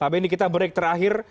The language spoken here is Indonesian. pak benny kita break terakhir